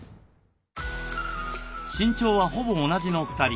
身長はほぼ同じの２人。